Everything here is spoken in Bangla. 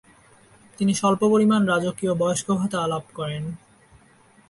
তিনি স্বল্প পরিমাণ রাজকীয় বয়স্ক ভাতা লাভ করেন।